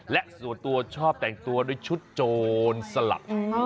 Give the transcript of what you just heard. และส่วนตัวชอบแต่งตัวด้วยชุดโจรสลัด